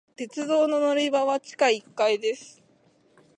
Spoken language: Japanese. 鉄道の乗り場は地下一階です。